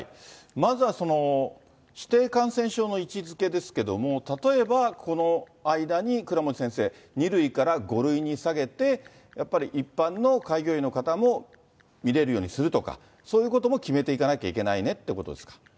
まずはその、指定感染症の位置づけですけれども、例えば、この間に倉持先生、２類から５類に下げて、やっぱり、一般の開業医の方も見れるようにするとか、そういうことも決めていかなきゃいけないねってことですか。